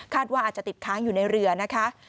ว่าอาจจะติดค้างอยู่ในเรือนะคะ